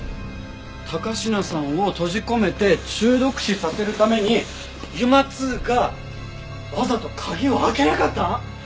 高階さんを閉じ込めて中毒死させるためにＵＭＡ−Ⅱがわざと鍵を開けなかった！？